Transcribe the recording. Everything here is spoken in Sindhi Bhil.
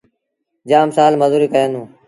جآم سآل مزوريٚ ڪيآݩدوݩ۔